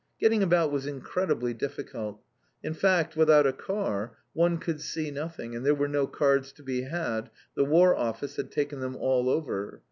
Getting about was incredibly difficult. In fact, without a car, one could see nothing, and there were no cars to be had, the War Office had taken them all over.